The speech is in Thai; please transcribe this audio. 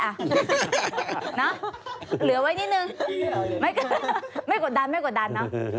เนอะเหลือไว้นิดหนึ่งไม่กดดันเนอะใช่ครับ